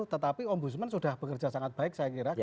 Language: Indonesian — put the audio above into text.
tetapi om busman sudah bekerja sangat baik saya kira